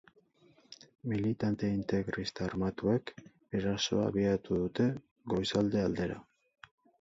Militante integrista armatuek erasoa abiatu dute goizalde aldera.